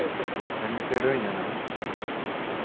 責めてるんやない。